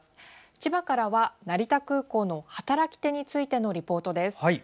千葉からは、成田空港の働き手についてのリポートです。